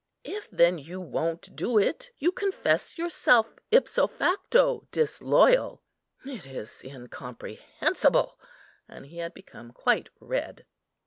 If then you won't do it, you confess yourself ipso facto disloyal. It is incomprehensible." And he had become quite red.